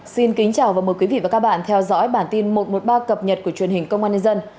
xin kính chào và mời quý vị và các bạn theo dõi bản tin một trăm một mươi ba cập nhật của truyền hình công an nhân dân